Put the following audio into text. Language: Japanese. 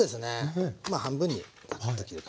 まあ半分にザクッと切る感じ。